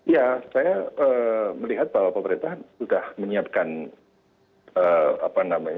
ya saya melihat bahwa pemerintah sudah menyiapkan apa namanya kemudian untuk perizinan